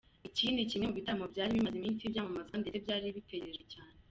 Iki ni kimwe mu bitaramo byari bimaze iminsi byamamazwa ndetse byari bitegerejwe cyane.